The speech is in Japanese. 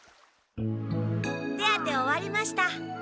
・手当て終わりました。